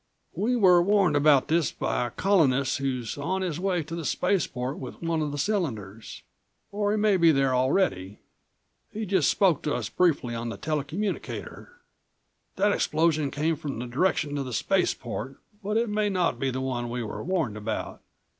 "We were warned about this, by a Colonist who's on his way to the spaceport with one of the cylinders. Or he may be there already. He just spoke to us briefly on the tele communicator. That explosion came from the direction of the spaceport, but it may not be the one we were warned about.